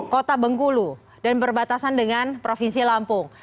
kota bengkulu dan berbatasan dengan provinsi lampung